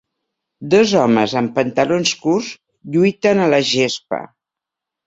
Dos homes en pantalons curts lluiten a la gespa.